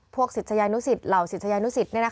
พวกศิษยานุศิษย์เหล่าศิษยานุศิษย์